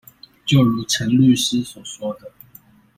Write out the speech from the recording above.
就如陳律師所說的